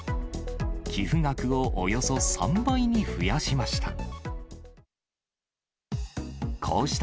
寄付額をおよそ３倍に増やしました。